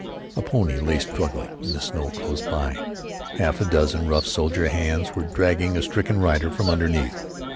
A pony lay struggling in the snow close by. Half a dozen rough soldier hands were dragging a stricken rider from underneath.